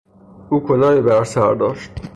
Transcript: او کلاهی بر سر داشت.